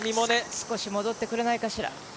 少し戻ってくれないかしら。